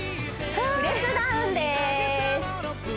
プレスダウンです